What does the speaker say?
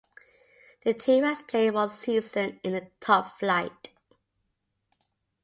The team has played one season in the top flight.